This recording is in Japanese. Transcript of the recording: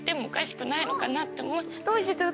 どうしよう！